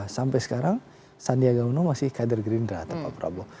sampai sekarang sandiaga uno masih kader gerindra atau pak prabowo